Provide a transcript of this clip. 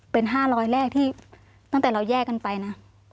เป็น๕๐๐แรกที่ตั้งแต่เราแยกกันไปนะ